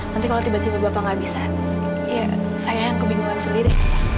nanti kalau tiba tiba bapak nggak bisa ya saya yang kebingungan sendiri